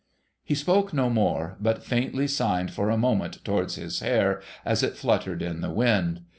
He spoke no more, but faintly signed for a moment towards his hair as it fluttered in the wind.